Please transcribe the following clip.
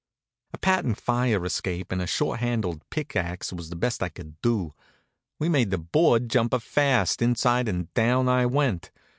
A patent fire escape and a short handled pick axe was the best I could do. We made the board jumper fast inside and down I went.